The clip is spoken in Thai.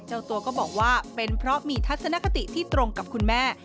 เจ้าตัวก็บอกว่าเป็นเพราะมีทัศนคติที่ตรงกับคุณแม่